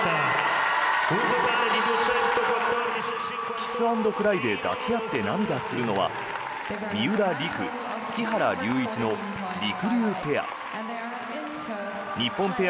キスアンドクライで抱き合って涙するのは三浦璃来、木原龍一のりくりゅうペア。